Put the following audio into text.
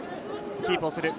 キープをする！